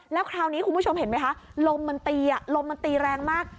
แล้วคราวนี้คุณผู้ชมเห็นไหมคะลมมันตีลมมันตีแรงมาก